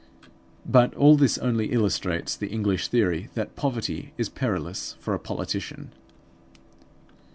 But all this only illustrates the English theory that poverty is perilous for a politician.